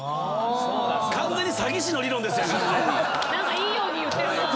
いいように言ってるな。